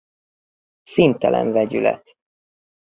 Színtelen vegyület.